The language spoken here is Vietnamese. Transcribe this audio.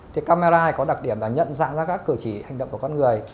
thì camera có đặc điểm là nhận dạng ra các cử chỉ hành động của con người